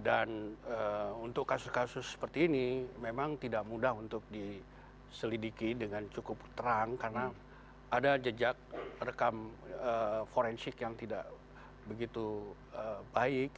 dan untuk kasus kasus seperti ini memang tidak mudah untuk diselidiki dengan cukup terang karena ada jejak rekam forensik yang tidak begitu baik